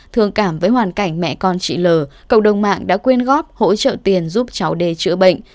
thường cảm với hoàn cảnh mẹ con chị l cộng đồng mạng đã quyên góp hỗ trợ tiền giúp cháu đê chữa bệnh